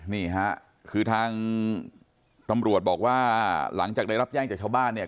นี่ฮะคือทางตำรวจบอกว่าหลังจากได้รับแจ้งจากชาวบ้านเนี่ย